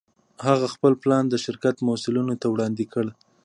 هغه خپل پلان د شرکت مسوولينو ته وړاندې کړ.